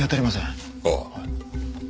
ああ。